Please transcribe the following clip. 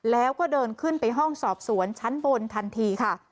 แล้วก็เดินขึ้นไปห้องสอบสวนชั้นบนทันทีค่ะ